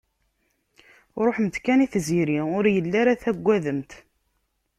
Ruḥemt kan i tziri, ur yelli ara tagademt.